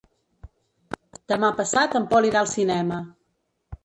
Demà passat en Pol irà al cinema.